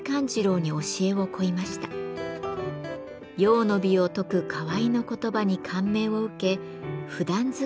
「用の美」を説く河井の言葉に感銘を受けふだん使いの器作りを決意します。